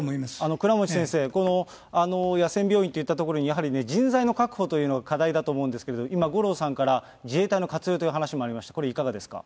倉持先生、この野戦病院といったところに、やはり人材の確保というのが課題だと思うんですけれども、今、五郎さんから自衛隊の活用という話もありました。